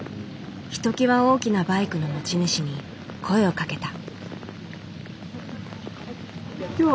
ひときわ大きなバイクの持ち主に声をかけた。